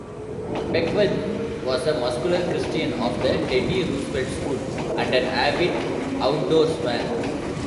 Beckwith was a "muscular Christian" of the Teddy Roosevelt school and an avid outdoorsman.